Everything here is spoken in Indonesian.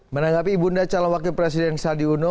menanggapi ibu dacala wakil presiden sandi uno